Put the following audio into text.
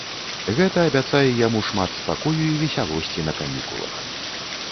Гэта абяцае яму шмат спакою і весялосці на канікулах.